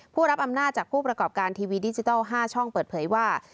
รับอำนาจจากผู้ประกอบการทีวีดิจิทัล๕ช่องเปิดเผยว่า